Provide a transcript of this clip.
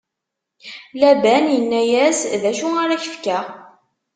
Laban inna-yas: D acu ara k-fkeɣ?